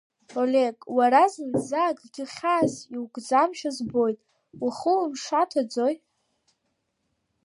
Олег, уара зынӡа акгьы хьаас иукӡамшәа збоит, ухы умшаҭаӡои?